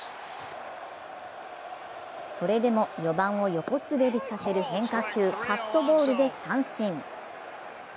それでも４番を横滑りさせる変化球カットボールで三振。